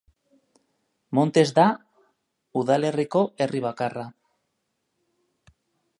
Montes da udalerriko herri bakarra.